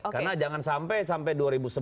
karena jangan sampai dua ribu sembilan belas